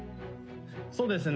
そうですね。